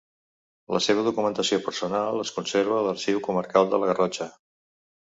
La seva documentació personal es conserva a l'Arxiu Comarcal de la Garrotxa.